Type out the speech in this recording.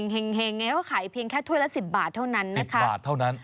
เห็งก็ขายเพียงแค่ถ้วยละ๑๐บาทเท่านั้น